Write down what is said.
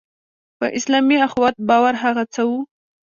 په اسلامي اخوت باور هغه څه وو.